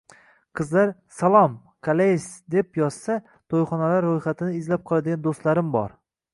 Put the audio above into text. Qizlar "Salom! Qalesiz?" deb yozsa, to'yxonalar ro'yxatini izlab qoladigan do'stlarim bor...